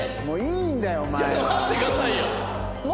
もういいんだよお前は。